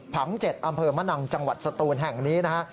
ผัง๗อำเภอมะนังจังหวัดสตูนแห่งนี้นะฮะ